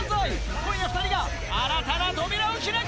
今夜２人が新たな扉を開く。